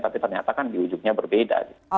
tapi ternyata kan diujuknya berbeda